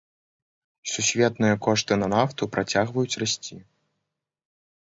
Сусветныя кошты на нафту працягваюць расці.